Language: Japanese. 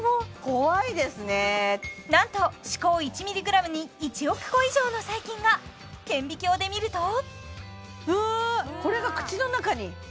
怖いですねなんと歯垢１ｍｇに１億個以上の細菌が顕微鏡で見るとうわこれが口の中に？